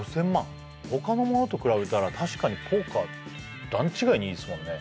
他のものと比べたら確かにポーカー段違いにいいですもんね